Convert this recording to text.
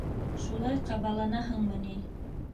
- Шулай ҡабаланаһыңмы ни?